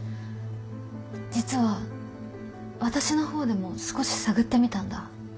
実は私の方でも少し探ってみたんだ。